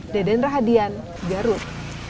deden rahadian garut